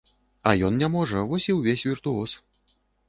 А ён не можа, вось і ўвесь віртуоз.